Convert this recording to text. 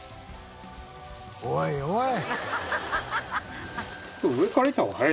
おいおい。